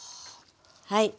はい。